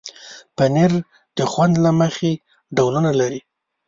پنېر د خوند له مخې ډولونه لري.